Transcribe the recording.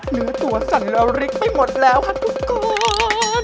เนื้อตัวสั่นละริกไปหมดแล้วค่ะทุกคน